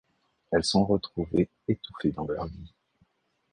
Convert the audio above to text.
Elles sont retrouvées étouffées dans leur lit.